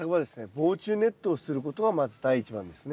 防虫ネットをすることがまず第一番ですね。